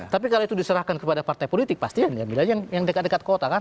tapi kalau itu diserahkan kepada partai politik pasti anda bilang yang dekat dekat kota kan